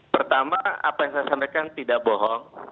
pertama apa yang saya sampaikan tidak bohong